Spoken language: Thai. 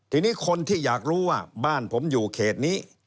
ทีนี้คนที่อยากรู้ว่าบ้านผมอยู่เขตนี้